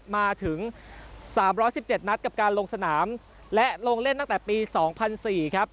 มาถึง๓๑๗นัดกับการลงสนามและลงเล่นตั้งแต่ปี๒๐๐๔ครับ